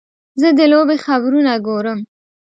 زه د لوبې خبرونه ګورم.